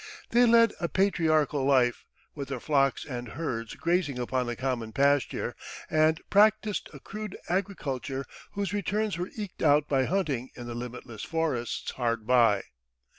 They led a patriarchal life, with their flocks and herds grazing upon a common pasture, and practised a crude agriculture whose returns were eked out by hunting in the limitless forests hard by.